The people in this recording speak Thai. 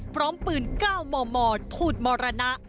พร้อมปืน๙มมทูตมรณะ